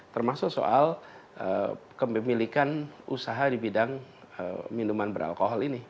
termasuk soal kepemilikan usaha di bidang minuman beralkohol ini